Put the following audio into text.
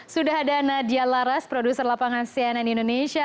sudah ada nadia laras produser lapangan cnn indonesia